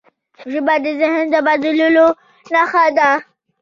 ژبه د ذهن د بدلون نښه ده.